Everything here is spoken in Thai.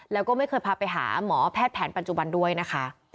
แล้วก็ไม่เคยพาไปหาหมอแพทย์แผนปัจจุบันด้วยนะคะ